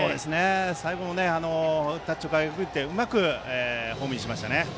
最後タッチをかいくぐってうまくホームインしました。